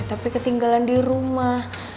tapi ketinggalan di rumah